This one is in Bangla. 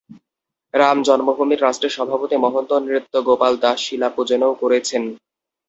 রাম জন্মভূমি ট্রাস্টের সভাপতি মহন্ত নৃত্য গোপাল দাস শিলা পূজনও করেছেন।